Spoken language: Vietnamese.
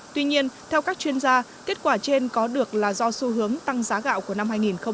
tuy nhiên theo các chuyên gia kết quả trên có được là do xu hướng tăng giá gạo của năm hai nghìn một mươi chín